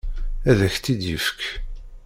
Ad ak-t-id-ifek.